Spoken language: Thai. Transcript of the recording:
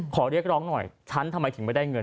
ขอเรียกร้องหน่อยฉันทำไมถึงไม่ได้เงิน